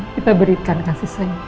kita berikan kasih sayapa